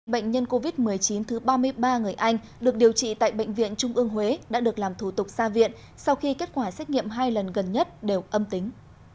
bệnh nhân covid một mươi chín thứ ba mươi ba người anh được điều trị tại bệnh viện trung ương huế đã được làm thủ tục xa viện sau khi kết quả xét nghiệm hai lần gần nhất đều âm tính